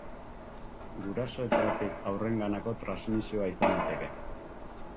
Gurasoetatik haurrenganako transmisioa izan liteke.